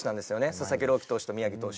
佐々木朗希投手と宮城投手。